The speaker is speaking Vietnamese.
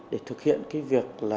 để thực hiện cái việc